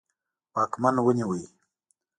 واکمن ونیوی.